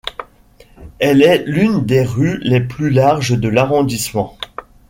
Elle est l'une des rues les plus larges de l'arrondissement.